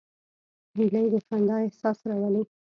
هیلۍ د خندا احساس راولي